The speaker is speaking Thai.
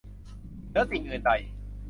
เหนือสิ่งอื่นใด